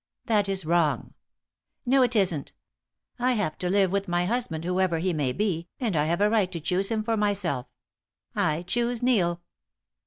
"That is wrong." "No, it isn't. I have to live with my husband, whoever he may be, and I have a right to choose him for myself. I choose Neil."